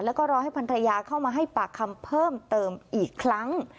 แล้วก็รอให้พันรยาเข้ามาให้ปากคำเพิ่มเติมอีกครั้ง